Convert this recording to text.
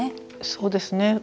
そうですね。